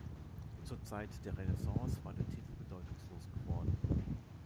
Zur Zeit der Renaissance war der Titel bedeutungslos geworden.